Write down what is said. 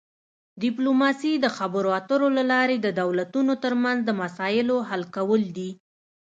ډیپلوماسي د خبرو اترو له لارې د دولتونو ترمنځ د مسایلو حل کول دي